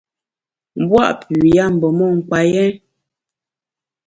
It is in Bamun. M’bua’ pü ya mbe mon kpa yèn.